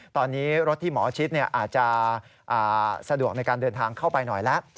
ตอนนี้รถที่หมอชิดอาจจะสะดวกในการเดินทางเข้าไปหน่อยแล้ว